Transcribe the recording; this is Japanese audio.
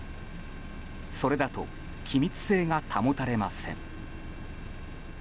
それだと気密性が保たれません。